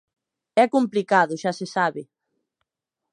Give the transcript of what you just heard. É complicado xa se sabe.